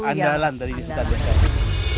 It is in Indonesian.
andalan tadi disitulah